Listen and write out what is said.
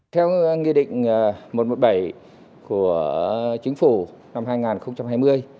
theo nghị định một trăm một mươi bảy của chính phủ năm hai nghìn hai mươi